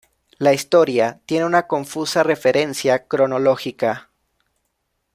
La historia tiene una confusa referencia cronológica.